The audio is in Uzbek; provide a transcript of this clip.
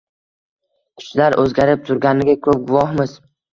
Kuchlar oʻzgarib turganiga koʻp guvohmiz.